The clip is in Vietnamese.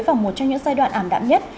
vào một trong những giai đoạn ảm đạm nhất